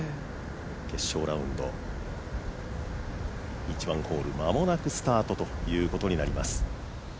決勝ラウンド、１番ホール間もなくスタートとなります。